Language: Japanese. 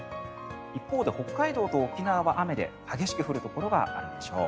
一方で、北海道と沖縄は雨で激しく降るところがあるでしょう。